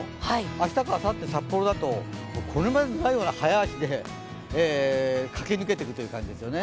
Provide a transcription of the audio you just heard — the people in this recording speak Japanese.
明日かあさって札幌だとこれまでにないような早足で駆け抜けていくという感じですよね。